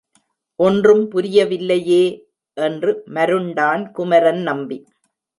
ஒன்றும் புரியவில்லையே? என்று மருண்டான் குமரன் நம்பி.